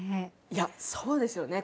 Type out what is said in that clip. いやそうですよね。